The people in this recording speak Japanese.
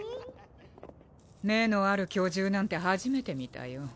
目のある巨獣なんて初めて見たよ。